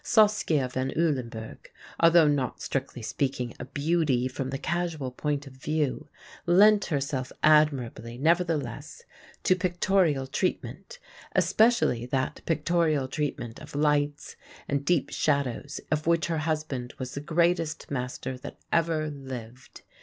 Saskia van Ulenburg, although not strictly speaking a beauty from the casual point of view, lent herself admirably, nevertheless, to pictorial treatment, especially that pictorial treatment of lights and deep shadows of which her husband was the greatest master that ever lived.